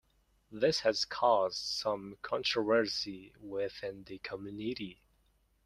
This has caused some controversy within the community.